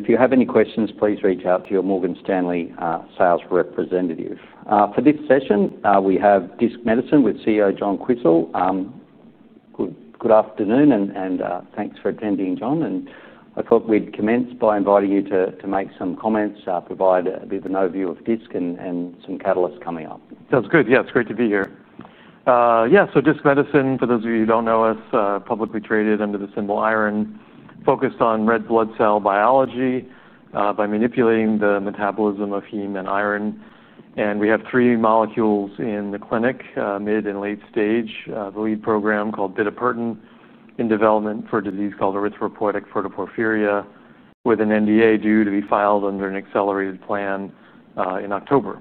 If you have any questions, please reach out to your Morgan Stanley sales representative. For this session, we have Disc Medicine with CEO John Quisel. Good afternoon and thanks for attending, John. I thought we'd commence by inviting you to make some comments, provide a bit of an overview of Disc and some catalysts coming up. Sounds good. Yeah, it's great to be here. Yeah, so Disc Medicine, for those of you who don't know us, publicly traded under the symbol IRON, focused on red blood cell biology by manipulating the metabolism of heme and iron. We have three molecules in the clinic, mid and late stage, the lead program called bitopertin, in development for a disease called erythropoietic protoporphyria with an NDA due to be filed under an accelerated plan in October.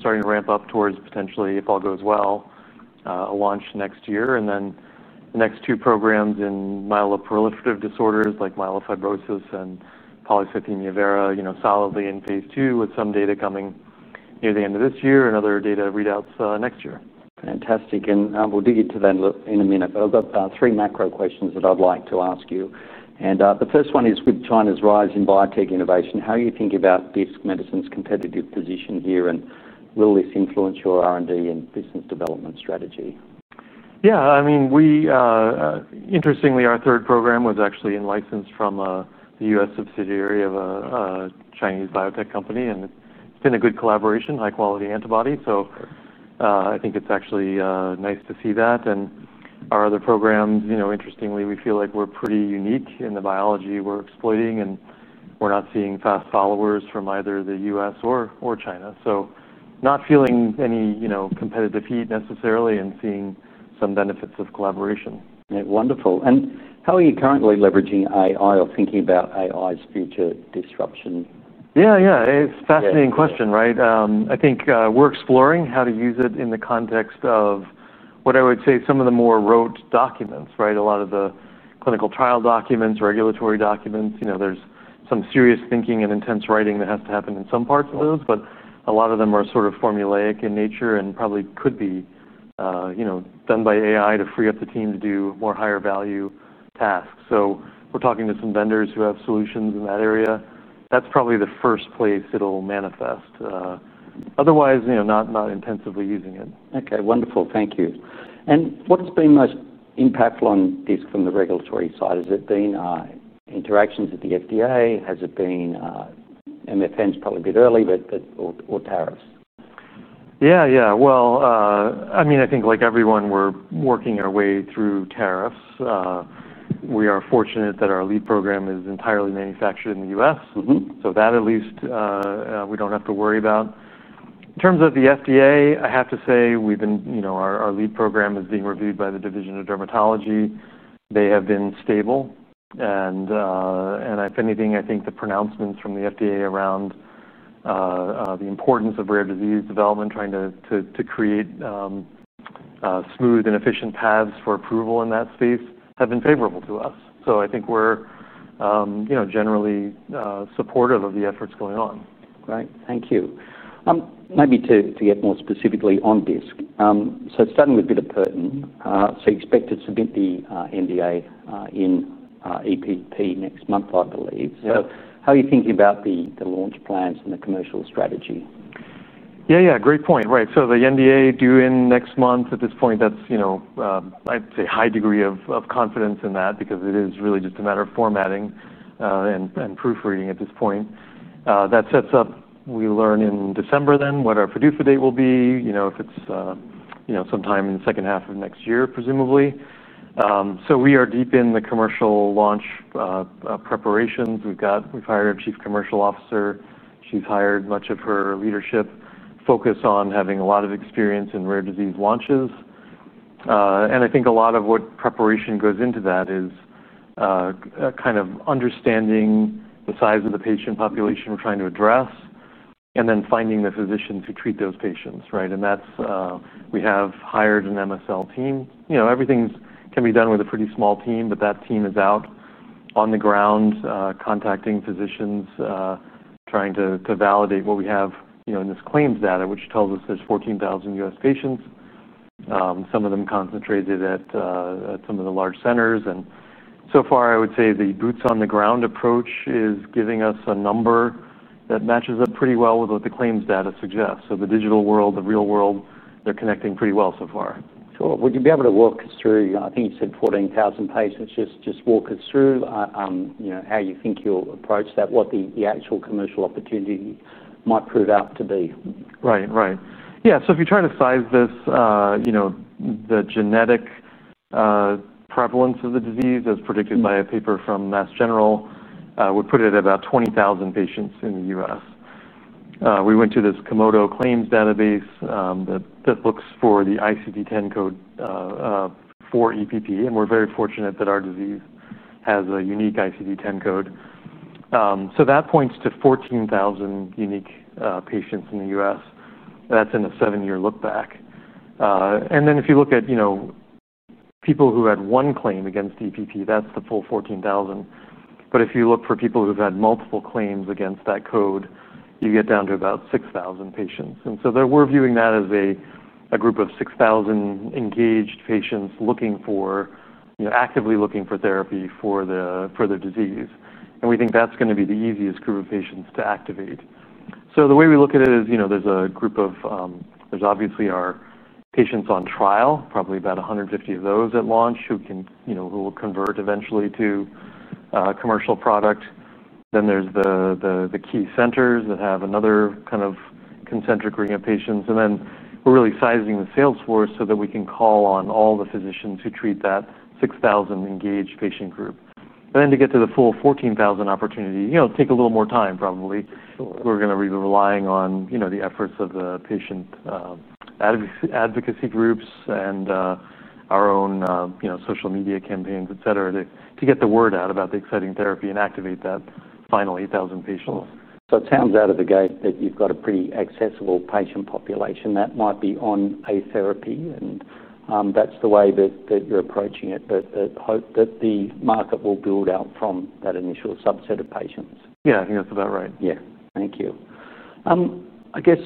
Starting to ramp up towards potentially, if all goes well, a launch next year. The next two programs in myeloproliferative disorders like myelofibrosis and polycythemia vera, you know, solidly in phase II with some data coming near the end of this year and other data readouts next year. Fantastic. We'll dig into that in a minute. I've got three macro questions that I'd like to ask you. The first one is with China's rise in biotech innovation, how are you thinking about Disc Medicine's competitive position here and will this influence your R&D and business development strategy? Yeah, I mean, interestingly, our third program was actually in-licensed from the U.S. subsidiary of a Chinese biotech company. It's been a good collaboration, high-quality antibody. I think it's actually nice to see that. Our other programs, interestingly, we feel like we're pretty unique in the biology we're exploiting and we're not seeing fast followers from either the U.S. or China. Not feeling any competitive heat necessarily and seeing some benefits of collaboration. Wonderful. How are you currently leveraging AI or thinking about AI's future disruption? Yeah, it's a fascinating question, right? I think we're exploring how to use it in the context of what I would say some of the more rote documents, right? A lot of the clinical trial documents, regulatory documents, there's some serious thinking and intense writing that has to happen in some parts of those, but a lot of them are sort of formulaic in nature and probably could be done by AI to free up the team to do more higher value tasks. We're talking to some vendors who have solutions in that area. That's probably the first place it'll manifest. Otherwise, not intensively using it. Okay, wonderful. Thank you. What's been most impactful on this from the regulatory side? Has it been interactions at the FDA? Has it been MFNs, probably a bit early, or tariffs? Yeah, I mean, I think like everyone, we're working our way through tariffs. We are fortunate that our lead program is entirely manufactured in the U.S., so that at least we don't have to worry about. In terms of the FDA, I have to say we've been, our lead program is being reviewed by the Division of Dermatology. They have been stable. If anything, I think the pronouncements from the FDA around the importance of rare disease development, trying to create smooth and efficient paths for approval in that space, have been favorable to us. I think we're generally supportive of the efforts going on. Great. Thank you. Maybe to get more specifically on this. Starting with bitopertin, expected to submit the NDA in EPP next month, I believe. How are you thinking about the launch plans and the commercial strategy? Yeah, yeah, great point. Right. The NDA due in next month at this point, that's, you know, I'd say a high degree of confidence in that because it is really just a matter of formatting and proofreading at this point. That sets up, we learn in December then what our fiduciary date will be, you know, if it's, you know, sometime in the second half of next year, presumably. We are deep in the commercial launch preparations. We've got, we've hired our Chief Commercial Officer. She's hired much of her leadership focused on having a lot of experience in rare disease launches. I think a lot of what preparation goes into that is kind of understanding the size of the patient population we're trying to address and then finding the physicians who treat those patients, right? We've hired an MSL team. Everything can be done with a pretty small team, but that team is out on the ground contacting physicians, trying to validate what we have, you know, in this claims data, which tells us there's 14,000 U.S. patients, some of them concentrated at some of the large centers. So far, I would say the boots on the ground approach is giving us a number that matches up pretty well with what the claims data suggests. The digital world, the real world, they're connecting pretty well so far. Would you be able to walk us through, I think you said 14,000 patients, just walk us through how you think you'll approach that, what the actual commercial opportunity might prove out to be. Right, right. Yeah, if you try to size this, the genetic prevalence of the disease as predicted by a paper from Mass General, we put it at about 20,000 patients in the U.S. We went to this Komodo claims database that looks for the ICD-10 code for EPP, and we're very fortunate that our disease has a unique ICD-10 code. That points to 14,000 unique patients in the U.S. That's in a seven-year look back. If you look at people who had one claim against the EPP, that's the full 14,000. If you look for people who've had multiple claims against that code, you get down to about 6,000 patients. We're viewing that as a group of 6,000 engaged patients actively looking for therapy for the disease. We think that's going to be the easiest group of patients to activate. The way we look at it is, there's a group of patients on trial, probably about 150 of those at launch who can eventually convert to a commercial product. There are the key centers that have another kind of concentric ring of patients. We're really sizing the sales force so that we can call on all the physicians who treat that 6,000 engaged patient group. To get to the full 14,000 opportunity will probably take a little more time. We're going to be relying on the efforts of the patient advocacy groups and our own social media campaigns, etc., to get the word out about the exciting therapy and activate that final 8,000 patient. It sounds out of the gate that you've got a pretty accessible patient population that might be on a therapy, and that's the way that you're approaching it. You hope that the market will build out from that initial subset of patients. Yeah, I think that's about right. Thank you. I guess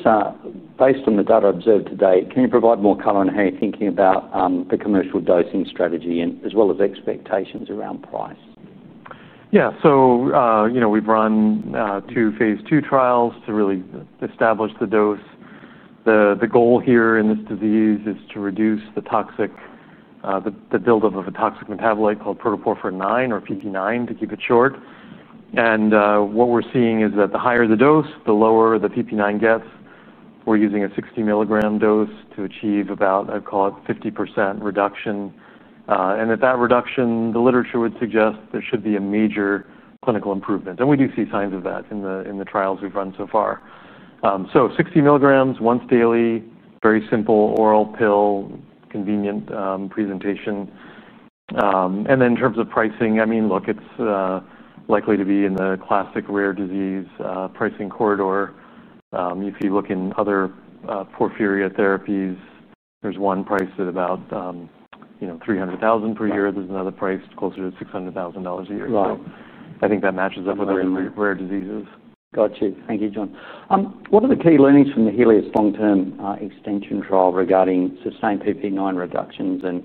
based on the data observed today, can you provide more color on how you're thinking about the commercial dosing strategy as well as expectations around price? Yeah, so, you know, we've run two phase II trials to really establish the dose. The goal here in this disease is to reduce the toxic, the buildup of a toxic metabolite called protoporphyrin IX or PPIX to keep it short. What we're seeing is that the higher the dose, the lower the PPIX gets. We're using a 60 mg dose to achieve about, I'd call it, 50% reduction. At that reduction, the literature would suggest there should be a major clinical improvement. We do see signs of that in the trials we've run so far. 60 mg, once daily, very simple oral pill, convenient presentation. In terms of pricing, I mean, look, it's likely to be in the classic rare disease pricing corridor. If you look in other porphyria therapies, there's one price at about $300,000 per year. There's another price closer to $600,000 a year. I think that matches up with rare diseases. Got you. Thank you, John. What are the key learnings from the HELIOS extension trial regarding sustained PPIX reductions and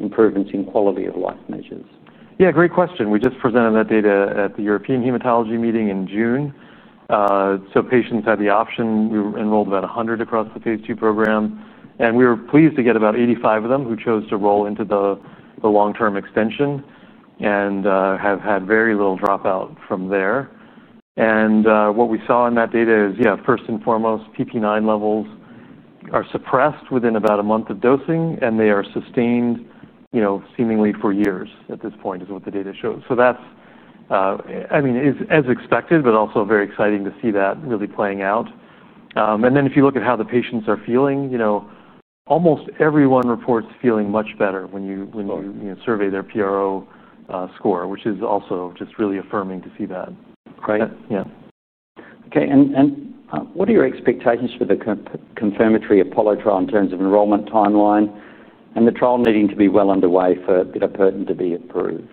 improvements in quality of life measures? Yeah, great question. We just presented that data at the European Hematology Meeting in June. Patients had the option. We enrolled about 100 across the phase II program, and we were pleased to get about 85 of them who chose to roll into the long-term extension and have had very little dropout from there. What we saw in that data is, first and foremost, PPIX levels are suppressed within about a month of dosing, and they are sustained, seemingly for years at this point is what the data shows. That's, I mean, as expected, but also very exciting to see that really playing out. If you look at how the patients are feeling, almost everyone reports feeling much better when you survey their PRO score, which is also just really affirming to see that. Right. Yeah. Okay. What are your expectations for the confirmatory APOLLO trial in terms of enrollment timeline and the trial needing to be well underway for bitopertin to be approved?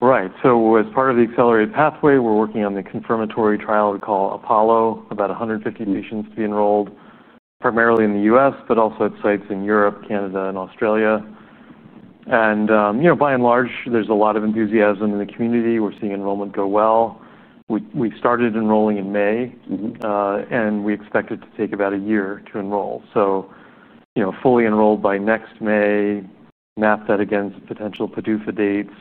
Right. As part of the accelerated pathway, we're working on the confirmatory trial we call APOLLO, about 150 patients to be enrolled, primarily in the U.S., but also at sites in Europe, Canada, and Australia. By and large, there's a lot of enthusiasm in the community. We're seeing enrollment go well. We started enrolling in May, and we expect it to take about a year to enroll. We expect it to be fully enrolled by next May, map that against potential PDUFA dates.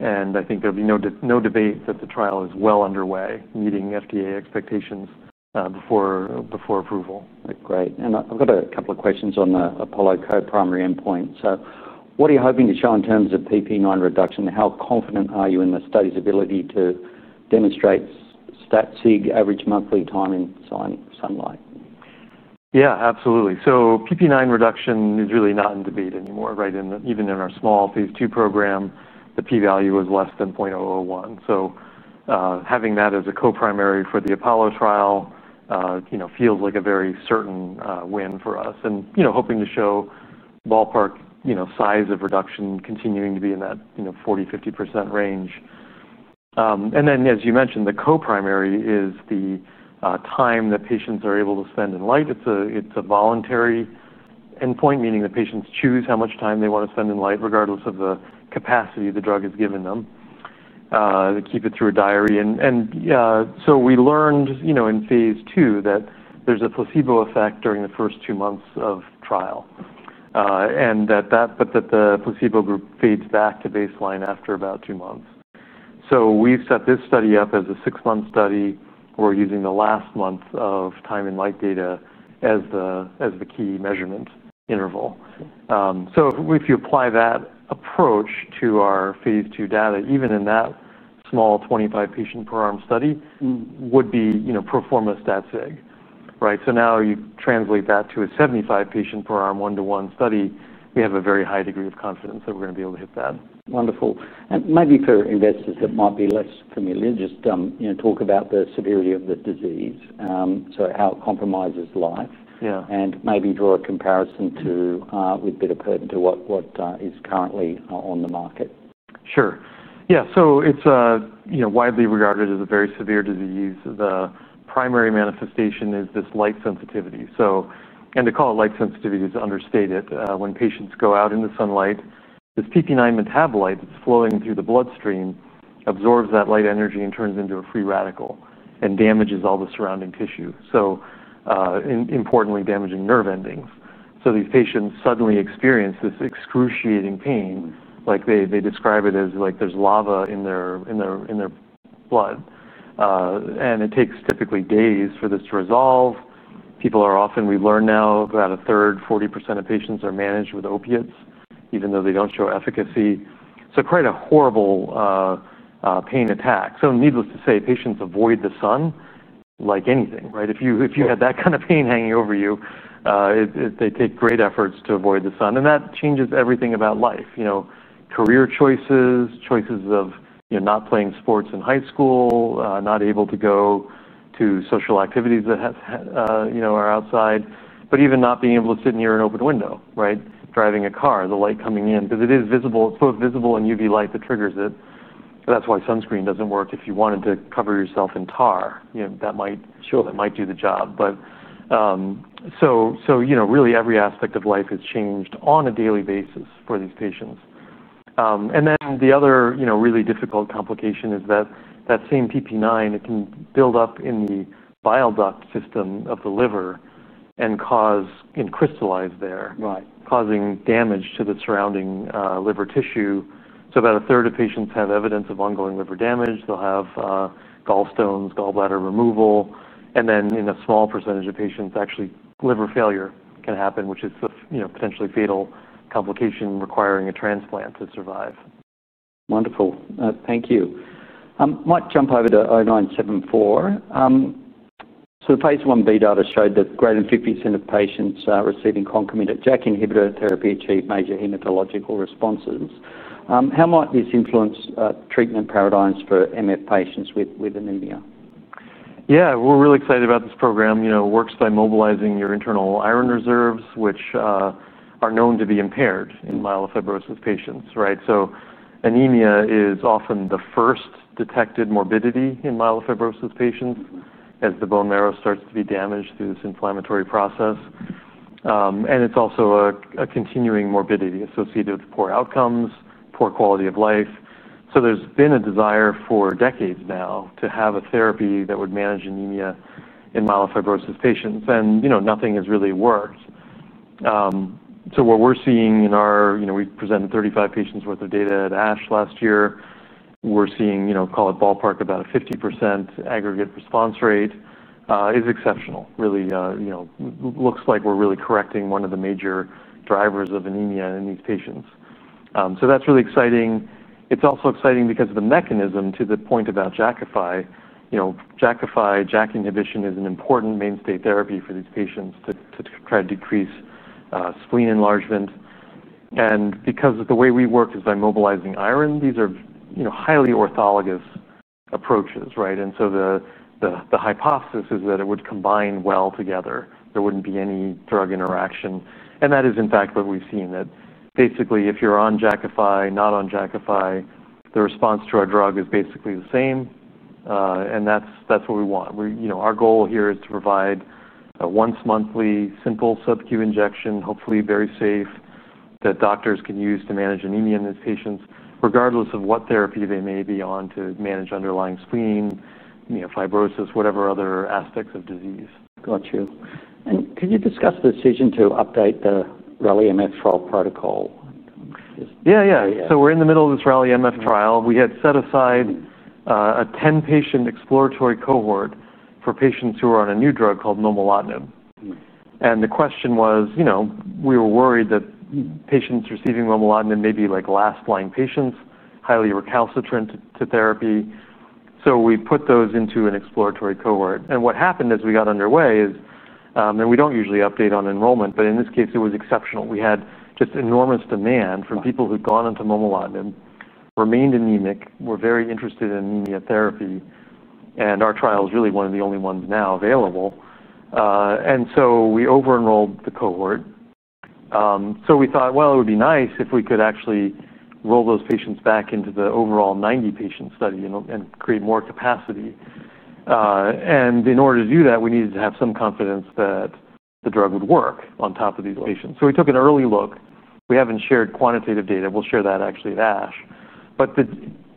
I think there'll be no debate that the trial is well underway, meeting FDA expectations before approval. Great. I've got a couple of questions on the APOLLO co-primary endpoint. What are you hoping to show in terms of PPIX reduction? How confident are you in the study's ability to demonstrate stat-sig average monthly time in sunlight? Yeah, absolutely. PPIX reduction is really not in debate anymore, right? Even in our small phase II program, the P-value was less than 0.001. Having that as a co-primary for the APOLLO trial feels like a very certain win for us. Hoping to show ballpark size of reduction continuing to be in that 40%-50% range. As you mentioned, the co-primary is the time that patients are able to spend in light. It's a voluntary endpoint, meaning that patients choose how much time they want to spend in light, regardless of the capacity the drug has given them. They keep it through a diary. We learned in phase II that there's a placebo effect during the first two months of trial, but the placebo group fades back to baseline after about two months. We've set this study up as a six-month study. We're using the last month of time in light data as the key measurement interval. If you apply that approach to our phase II data, even in that small 25-patient per arm study, it would be pro forma stat-sig, right? Now you translate that to a 75-patient per arm one-to-one study. We have a very high degree of confidence that we're going to be able to hit that. Wonderful. For investors that might be less familiar, just talk about the severity of the disease, how it compromises life. Yeah. Maybe draw a comparison, with bitopertin, to what is currently on the market. Sure. Yeah. So it's, you know, widely regarded as a very severe disease. The primary manifestation is this light sensitivity. To call it light sensitivity is to understate it. When patients go out into sunlight, this PPIX metabolite that's flowing through the bloodstream absorbs that light energy and turns into a free radical and damages all the surrounding tissue, importantly damaging nerve endings. These patients suddenly experience this excruciating pain. They describe it as like there's lava in their blood, and it takes typically days for this to resolve. People are often, we've learned now, about 1/3, 40% of patients are managed with opiates, even though they don't show efficacy. Quite a horrible pain attack. Needless to say, patients avoid the sun like anything, right? If you had that kind of pain hanging over you, they take great efforts to avoid the sun. That changes everything about life: career choices, choices of not playing sports in high school, not able to go to social activities that are outside, but even not being able to sit near an open window, right? Driving a car, the light coming in, because it is visible. It's both visible and UV light that triggers it. That's why sunscreen doesn't work. If you wanted to cover yourself in tar, you know, that might do the job. Really every aspect of life is changed on a daily basis for these patients. The other really difficult complication is that same PPIX, it can build up in the bile duct system of the liver and crystallize there, causing damage to the surrounding liver tissue. About 1/3 of patients have evidence of ongoing liver damage. They'll have gallstones, gallbladder removal, and then in a small percentage of patients, actually liver failure can happen, which is a potentially fatal complication requiring a transplant to survive. Wonderful. Thank you. I might jump over to 0974. The phase I-B data showed that greater than 50% of patients receiving concomitant JAK inhibitor therapy achieved major hematological responses. How might this influence treatment paradigms for MF patients with anemia? Yeah, we're really excited about this program. You know, it works by mobilizing your internal iron reserves, which are known to be impaired in myelofibrosis patients, right? Anemia is often the first detected morbidity in myelofibrosis patients as the bone marrow starts to be damaged through this inflammatory process. It's also a continuing morbidity associated with poor outcomes, poor quality of life. There's been a desire for decades now to have a therapy that would manage anemia in myelofibrosis patients. Nothing has really worked. What we're seeing in our, you know, we presented 35 patients with our data at ASH last year. We're seeing, you know, call it ballpark, about a 50% aggregate response rate is exceptional. Really, you know, looks like we're really correcting one of the major drivers of anemia in these patients. That's really exciting. It's also exciting because of the mechanism to the point about Jakafi. Jakafi, JAK inhibition is an important mainstay therapy for these patients to try to decrease spleen enlargement. Because the way we work is by mobilizing iron, these are, you know, highly orthologous approaches, right? The hypothesis is that it would combine well together. There wouldn't be any drug interaction. That is, in fact, what we've seen, that basically if you're on Jakafi, not on Jakafi, the response to our drug is basically the same. That's what we want. Our goal here is to provide a once monthly simple subcu injection, hopefully very safe, that doctors can use to manage anemia in these patients, regardless of what therapy they may be on to manage underlying spleen, you know, fibrosis, whatever other aspects of disease. Got you. Can you discuss the decision to update the RALLY-MF trial protocol? Yeah, yeah. We're in the middle of this RALLY-MF trial. We had set aside a 10-patient exploratory cohort for patients who were on a new drug called momelotinib. The question was, you know, we were worried that patients receiving momelotinib may be like last line patients, highly recalcitrant to therapy. We put those into an exploratory cohort. What happened as we got underway is, and we don't usually update on enrollment, but in this case, it was exceptional. We had just enormous demand from people who'd gone onto momelotinib, remained anemic, were very interested in anemia therapy. Our trial is really one of the only ones now available. We over-enrolled the cohort. We thought it would be nice if we could actually roll those patients back into the overall 90-patient study and create more capacity. In order to do that, we needed to have some confidence that the drug would work on top of these patients. We took an early look. We haven't shared quantitative data. We'll share that actually at ASH.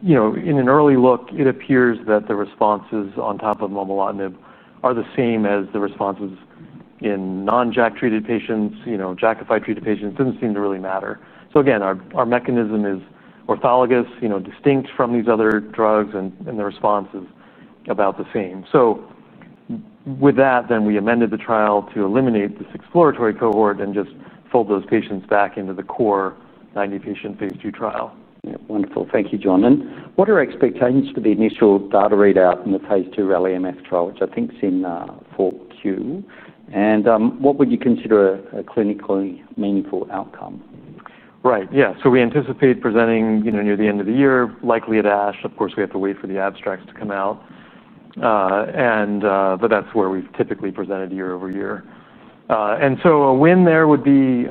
In an early look, it appears that the responses on top of momelotinib are the same as the responses in non-JAK-treated patients, you know, Jakafi-treated patients. It doesn't seem to really matter. Our mechanism is orthologous, distinct from these other drugs, and the response is about the same. With that, we amended the trial to eliminate this exploratory cohort and just fold those patients back into the core 90-patient phase II trial. Wonderful. Thank you, John. What are your expectations for the initial data readout in the phase II RALLY-MF trial, which I think is in 4Q? What would you consider a clinically meaningful outcome? Right. Yeah. We anticipate presenting, you know, near the end of the year, likely at ASH. Of course, we have to wait for the abstracts to come out. That's where we've typically presented year-over-year. A win there would be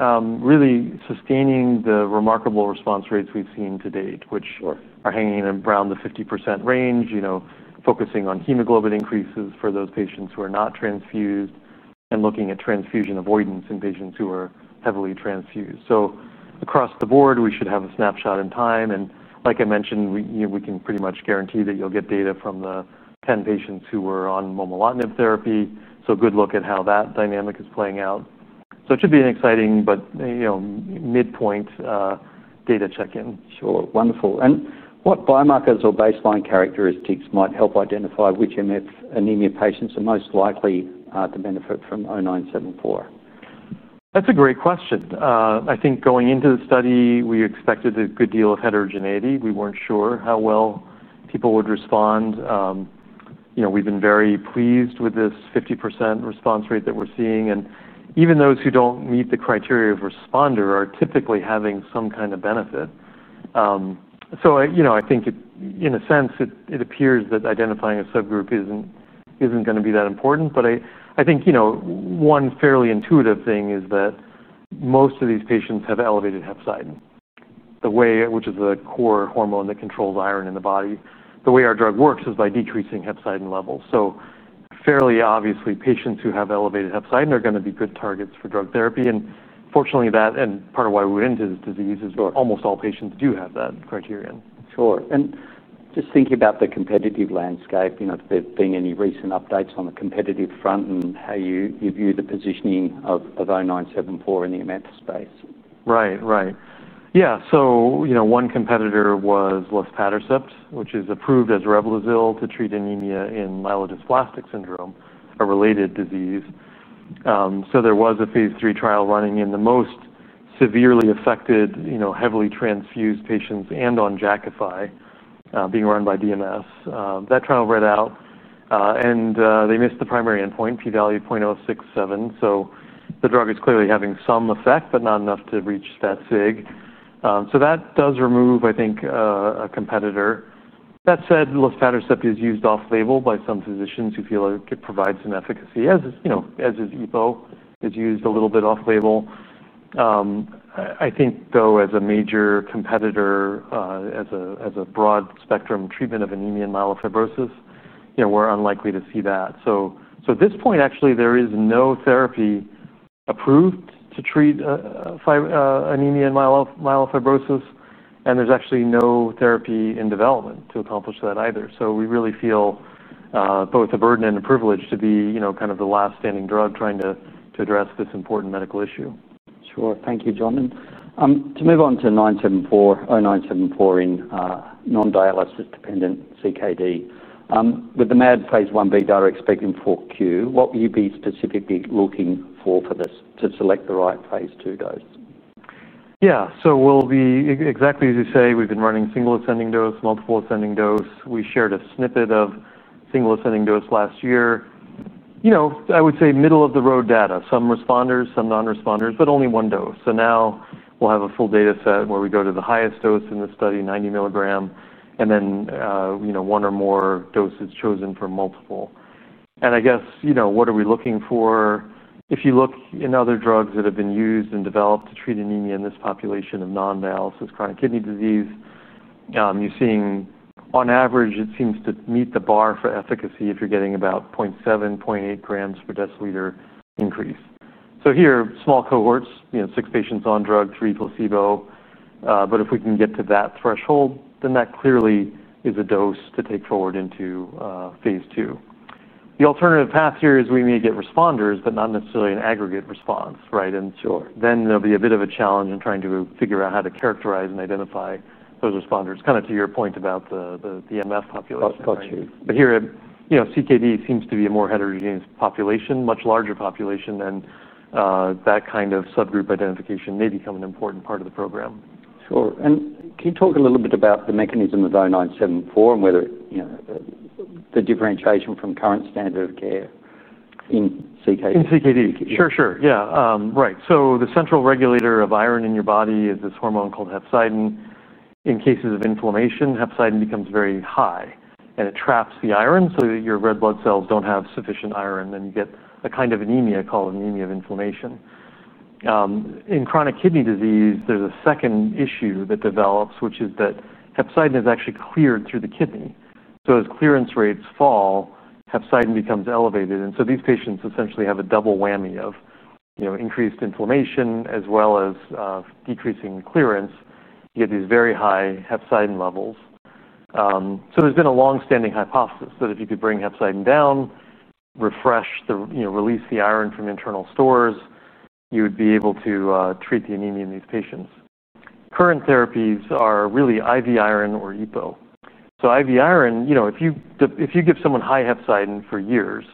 really sustaining the remarkable response rates we've seen to date, which are hanging in around the 50% range, you know, focusing on hemoglobin increases for those patients who are not transfused and looking at transfusion avoidance in patients who are heavily transfused. Across the board, we should have a snapshot in time. Like I mentioned, you know, we can pretty much guarantee that you'll get data from the 10 patients who were on momelotinib therapy. A good look at how that dynamic is playing out. It should be an exciting, but, you know, midpoint data check-in. Sure. Wonderful. What biomarkers or baseline characteristics might help identify which MF anemia patients are most likely to benefit from 0974? That's a great question. I think going into the study, we expected a good deal of heterogeneity. We weren't sure how well people would respond. We've been very pleased with this 50% response rate that we're seeing. Even those who don't meet the criteria of responder are typically having some kind of benefit. I think in a sense, it appears that identifying a subgroup isn't going to be that important. I think one fairly intuitive thing is that most of these patients have elevated hepcidin, which is the core hormone that controls iron in the body. The way our drug works is by decreasing hepcidin levels. Fairly obviously, patients who have elevated hepcidin are going to be good targets for drug therapy. Fortunately, that and part of why we went into this disease is almost all patients do have that criterion. Sure. Just thinking about the competitive landscape, if there have been any recent updates on the competitive front and how you view the positioning of 0974 in the MF space. Right, right. Yeah. One competitor was luspatercept, which is approved as REBLOZYL to treat anemia in myelodysplastic syndrome, a related disease. There was a phase III trial running in the most severely affected, heavily transfused patients and on Jakafi being run by BMS. That trial read out and they missed the primary endpoint, P-value 0.067. The drug is clearly having some effect, but not enough to reach stat-sig. That does remove, I think, a competitor. That said, luspatercept is used off-label by some physicians who feel like it provides some efficacy, as is EPO, is used a little bit off-label. I think, though, as a major competitor, as a broad spectrum treatment of anemia and myelofibrosis, we're unlikely to see that. At this point, actually, there is no therapy approved to treat anemia and myelofibrosis. There's actually no therapy in development to accomplish that either. We really feel both a burden and a privilege to be kind of the last standing drug trying to address this important medical issue. Sure. Thank you, John. To move on to 0974 in non-dialysis-dependent chronic kidney disease, with the MAD phase I-B data expected in 4Q, what will you be specifically looking for for this to select the right phase II dose? Yeah, so we'll be exactly as you say, we've been running single ascending dose, multiple ascending dose. We shared a snippet of single ascending dose last year. I would say middle of the road data, some responders, some non-responders, but only one dose. Now we'll have a full data set where we go to the highest dose in this study, 90 mg, and then one or more doses chosen from multiple. I guess, what are we looking for? If you look in other drugs that have been used and developed to treat anemia in this population of non-dialysis-dependent chronic kidney disease, you're seeing on average, it seems to meet the bar for efficacy if you're getting about 0.7 g/dL-0.8 g/dL increase. Here, small cohorts, six patients on drug, three placebo. If we can get to that threshold, that clearly is a dose to take forward into phase II. The alternative path here is we may get responders, but not necessarily an aggregate response, right? There'll be a bit of a challenge in trying to figure out how to characterize and identify those responders, kind of to your point about the MF population. Got you. Here, you know, CKD seems to be a more heterogeneous population, a much larger population than that kind of subgroup identification may become an important part of the program. Sure. Can you talk a little bit about the mechanism of 0974 and whether it, you know, the differentiation from current standard of care in CKD? In CKD, sure, sure. Yeah, right. The central regulator of iron in your body is this hormone called hepcidin. In cases of inflammation, hepcidin becomes very high and it traps the iron so that your red blood cells don't have sufficient iron and get a kind of anemia called anemia of inflammation. In chronic kidney disease, there's a second issue that develops, which is that hepcidin is actually cleared through the kidney. As clearance rates fall, hepcidin becomes elevated. These patients essentially have a double whammy of increased inflammation as well as decreasing clearance. You get these very high hepcidin levels. There's been a longstanding hypothesis that if you could bring hepcidin down, release the iron from internal stores, you would be able to treat the anemia in these patients. Current therapies are really IV iron or EPO. IV iron, if you give someone high hepcidin for years,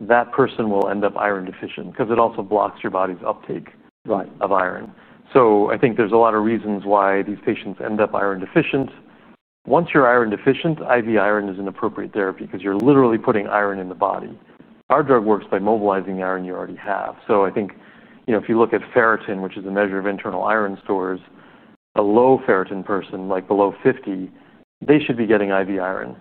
that person will end up iron deficient because it also blocks your body's uptake of iron. I think there's a lot of reasons why these patients end up iron deficient. Once you're iron deficient, IV iron is an appropriate therapy because you're literally putting iron in the body. Our drug works by mobilizing iron you already have. If you look at ferritin, which is a measure of internal iron stores, a low ferritin person, like below 50 ng/mL, they should be getting IV iron.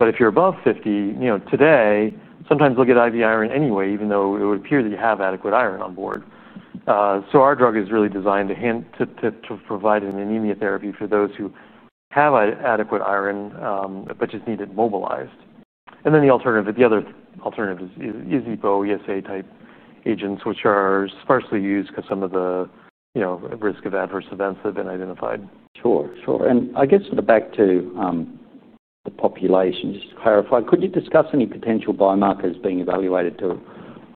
If you're above 50 ng/mL, today, sometimes they'll get IV iron anyway, even though it would appear that you have adequate iron on board. Our drug is really designed to provide an anemia therapy for those who have adequate iron, but just need it mobilized. The other alternative is EPO, ESA type agents, which are sparsely used because some of the risk of adverse events have been identified. Sure. I guess to the back to the population, just to clarify, could you discuss any potential biomarkers being evaluated to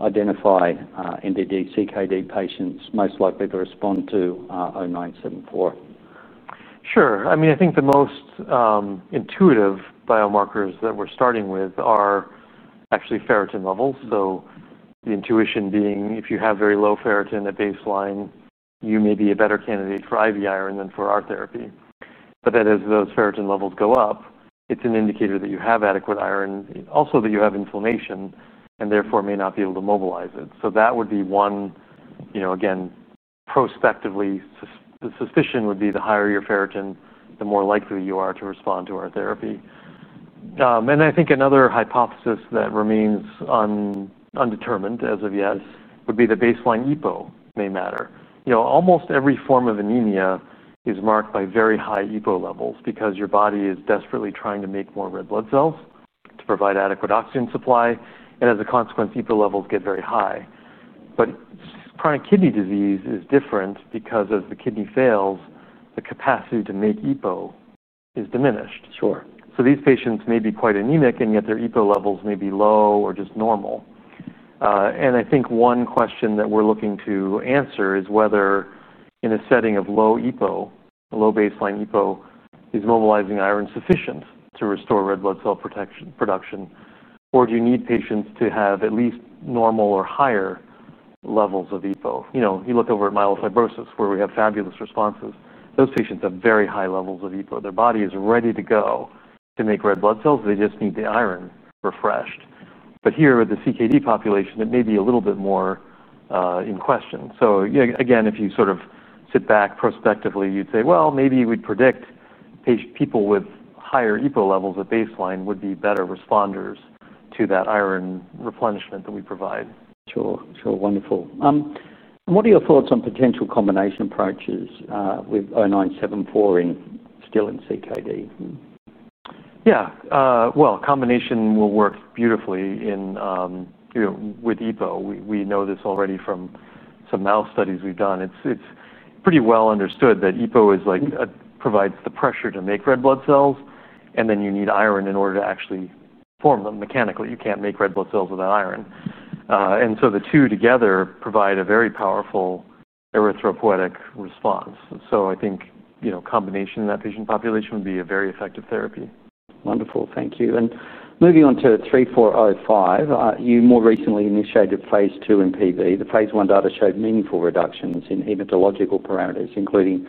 identify non-dialysis-dependent chronic kidney disease patients most likely to respond to 0974? Sure. I mean, I think the most intuitive biomarkers that we're starting with are actually ferritin levels. The intuition being, if you have very low ferritin at baseline, you may be a better candidate for IV iron than for our therapy. As those ferritin levels go up, it's an indicator that you have adequate iron, also that you have inflammation and therefore may not be able to mobilize it. That would be one. Prospectively, the suspicion would be the higher your ferritin, the more likely you are to respond to our therapy. I think another hypothesis that remains undetermined as of yet would be that baseline EPO may matter. Almost every form of anemia is marked by very high EPO levels because your body is desperately trying to make more red blood cells to provide adequate oxygen supply. As a consequence, EPO levels get very high. Chronic kidney disease is different because as the kidney fails, the capacity to make EPO is diminished. Sure. These patients may be quite anemic and yet their EPO levels may be low or just normal. I think one question that we're looking to answer is whether in a setting of low EPO, a low baseline EPO, is mobilizing iron sufficient to restore red blood cell production, or do you need patients to have at least normal or higher levels of EPO? You look over at myelofibrosis where we have fabulous responses. Those patients have very high levels of EPO. Their body is ready to go to make red blood cells. They just need the iron refreshed. Here with the CKD population, it may be a little bit more in question. If you sort of sit back prospectively, you'd say maybe we'd predict people with higher EPO levels at baseline would be better responders to that iron replenishment that we provide. Sure. Wonderful. What are your thoughts on potential combination approaches with 0974 still in CKD? Yeah. Combination will work beautifully in, you know, with EPO. We know this already from some mouse studies we've done. It's pretty well understood that EPO provides the pressure to make red blood cells, and then you need iron in order to actually form them mechanically. You can't make red blood cells without iron, and the two together provide a very powerful erythropoietic response. I think, you know, a combination in that patient population would be a very effective therapy. Wonderful. Thank you. Moving on to 3405, you more recently initiated phase II in PV. The phase I data showed meaningful reductions in hematological parameters, including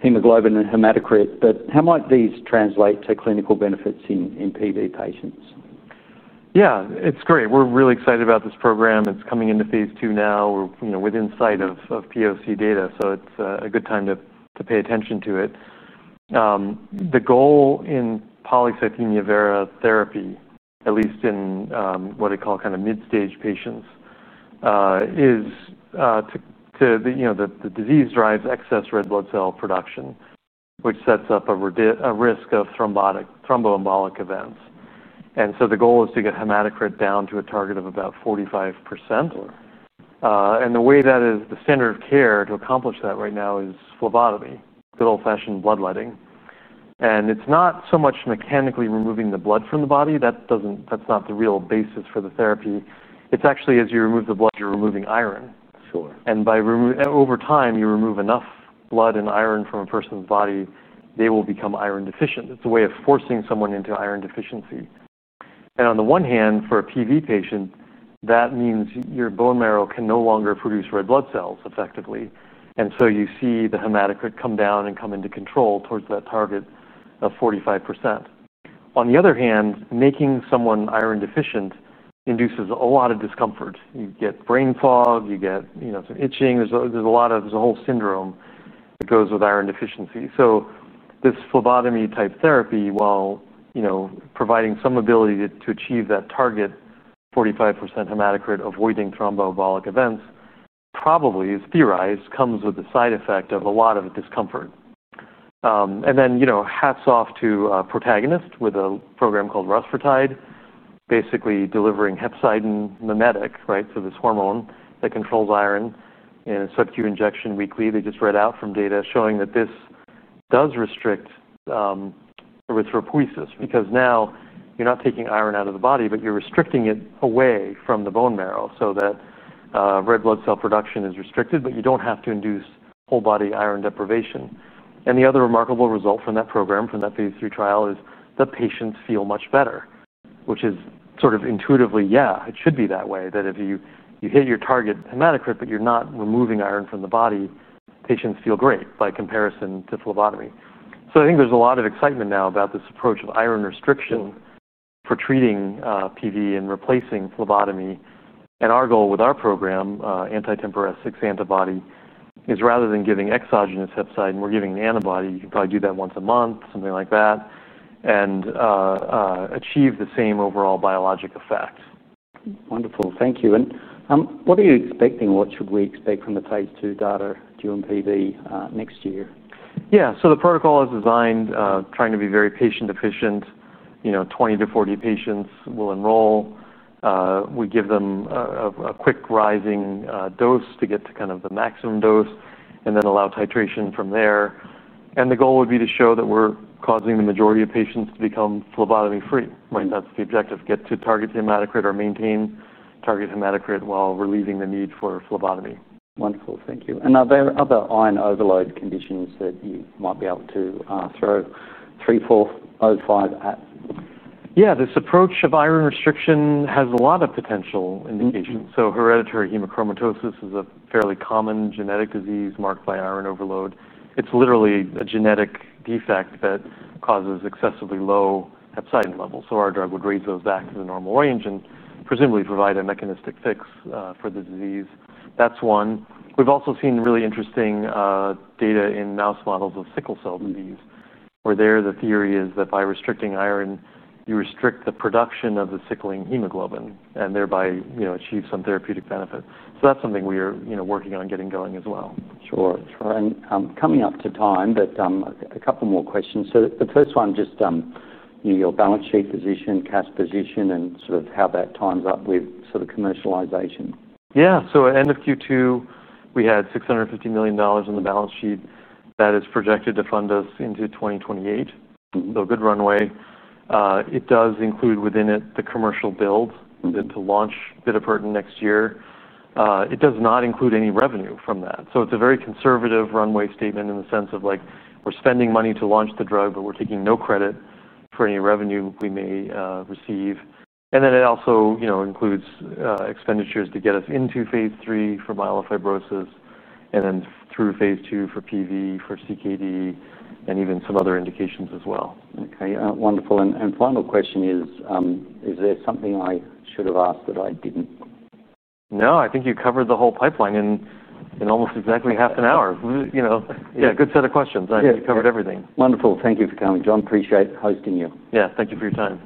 hemoglobin and hematocrit. How might these translate to clinical benefits in PV patients? Yeah, it's great. We're really excited about this program. It's coming into phase II now, you know, with insight of POC data. It's a good time to pay attention to it. The goal in polycythemia vera therapy, at least in what I call kind of mid-stage patients, is to, you know, the disease drives excess red blood cell production, which sets up a risk of thromboembolic events. The goal is to get hematocrit down to a target of about 45%. The way that is the standard of care to accomplish that right now is phlebotomy, good old-fashioned bloodletting. It's not so much mechanically removing the blood from the body. That's not the real basis for the therapy. It's actually, as you remove the blood, you're removing iron. Sure. By over time, you remove enough blood and iron from a person's body, they will become iron deficient. It's a way of forcing someone into iron deficiency. On the one hand, for a PV patient, that means your bone marrow can no longer produce red blood cells effectively, and you see the hematocrit come down and come into control towards that target of 45%. On the other hand, making someone iron deficient induces a lot of discomfort. You get brain fog, you get some itching. There's a whole syndrome that goes with iron deficiency. This phlebotomy type therapy, while providing some ability to achieve that target, 45% hematocrit, avoiding thromboembolic events, probably is theorized, comes with the side effect of a lot of the discomfort. Hats off to a protagonist with a program called rusfertide, basically delivering hepcidin mimetic, right? This hormone that controls iron in a subcu injection weekly just read out from data showing that this does restrict erythropoiesis because now you're not taking iron out of the body, but you're restricting it away from the bone marrow so that red blood cell production is restricted, but you don't have to induce whole body iron deprivation. The other remarkable result from that program, from that phase III trial, is that patients feel much better, which is sort of intuitively, yeah, it should be that way, that if you hit your target hematocrit, but you're not removing iron from the body, patients feel great by comparison to phlebotomy. I think there's a lot of excitement now about this approach of iron restriction for treating PV and replacing phlebotomy. Our goal with our program, anti–TMPRSS6 antibody, is rather than giving exogenous hepcidin, we're giving an antibody. You could probably do that once a month, something like that, and achieve the same overall biologic effect. Wonderful. Thank you. What are you expecting? What should we expect from the phase II data during PD next year? Yeah, the protocol is designed, trying to be very patient efficient. You know, 20-40 patients will enroll. We give them a quick rising dose to get to kind of the maximum dose and then allow titration from there. The goal would be to show that we're causing the majority of patients to become phlebotomy free. Right? That's the objective, get to target hematocrit or maintain target hematocrit while relieving the need for phlebotomy. Wonderful. Thank you. Are there other iron overload conditions that you might be able to throw 3405 at? Yeah, this approach of iron restriction has a lot of potential indications. Hereditary hemochromatosis is a fairly common genetic disease marked by iron overload. It's literally a genetic defect that causes excessively low hepcidin levels. Our drug would raise those back to the normal range and presumably provide a mechanistic fix for the disease. That's one. We've also seen really interesting data in mouse models of sickle cell disease, where the theory is that by restricting iron, you restrict the production of the sickling hemoglobin and thereby, you know, achieve some therapeutic benefit. That's something we are working on getting going as well. Sure. Coming up to time, a couple more questions. The first one, just your balance sheet position, cash position, and how that times up with commercialization. Yeah, so end of Q2, we had $650 million on the balance sheet that is projected to fund us into 2028. Good runway. It does include within it the commercial build to launch bitopertin next year. It does not include any revenue from that. It is a very conservative runway statement in the sense of like we're spending money to launch the drug, but we're taking no credit for any revenue we may receive. It also includes expenditures to get us into phase III for myelofibrosis and then through phase II for PV, for CKD, and even some other indications as well. Okay, wonderful. Final question is, is there something I should have asked that I didn't? No, I think you covered the whole pipeline in almost exactly half an hour. Yeah, a good set of questions. I think you covered everything. Wonderful. Thank you for coming, John. Appreciate hosting you. Yeah, thank you for your time.